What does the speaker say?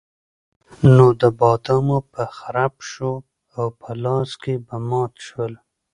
نو د بادامو به خرپ شو او په لاس کې به مات شول.